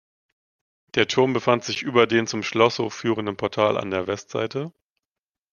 Der Turm befand sich über dem zum Schlosshof führenden Portal an der Westseite.